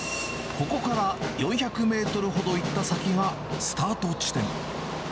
ここから４００メートルほど行った先がスタート地点。